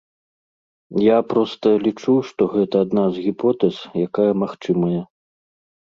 Я проста лічу, што гэта адна з гіпотэз, якая магчымая.